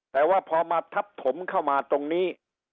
แต่ว่าพอมาทับถมเข้ามาตรงนี้